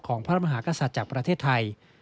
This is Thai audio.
พระมหากษัตริย์จากประเทศไทย